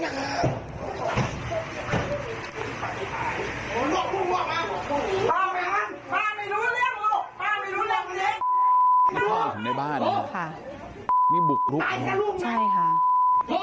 นี่ข้าวของในบ้านเนี่ยบุกลูกนี่ใช่ค่ะ